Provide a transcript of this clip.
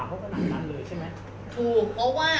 ผมเป็นพ่อทีมที่รับสารมาจากประเภท